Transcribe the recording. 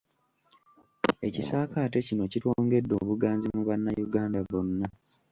Ekisaakaate kino kitwongedde obuganzi mu bannayuganda bonna.